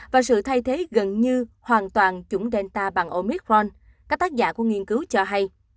và sự thay thế gần như hoàn toàn chủng delta bằng omicront các tác giả của nghiên cứu cho hay